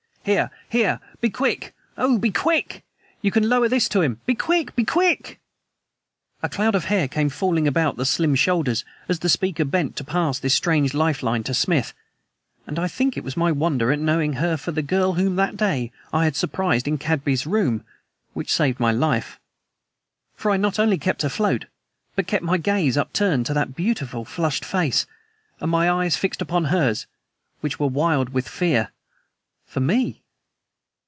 "Here! Here! Be quick! Oh! be quick! You can lower this to him! Be quick! Be quick!" A cloud of hair came falling about the slim shoulders as the speaker bent to pass this strange lifeline to Smith; and I think it was my wonder at knowing her for the girl whom that day I had surprised in Cadby's rooms which saved my life. For I not only kept afloat, but kept my gaze upturned to that beautiful, flushed face, and my eyes fixed upon hers which were wild with fear ... for me!